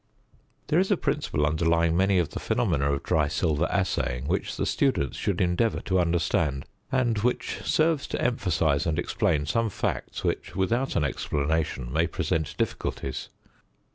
There is a principle underlying many of the phenomena of dry silver assaying which the student should endeavour to understand; and which serves to emphasise and explain some facts which without an explanation may present difficulties.